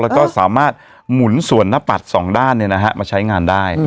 แล้วก็สามารถหมุนส่วนหน้าปัด๒ด้านเนี่ยนะฮะมาใช้งานได้